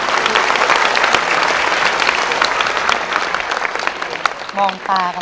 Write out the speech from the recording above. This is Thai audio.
สวัสดีครับ